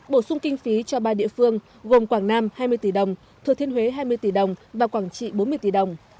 bổ sung kinh phí cho ba địa phương gồm quảng nam hai mươi tỷ đồng thừa thiên huế hai mươi tỷ đồng và quảng trị bốn mươi tỷ đồng